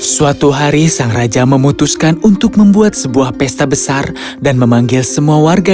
suatu hari sang raja memutuskan untuk membuat sebuah pesta besar dan memanggil semua warga